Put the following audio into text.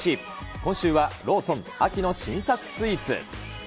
今週はローソン秋の新作スイーツ。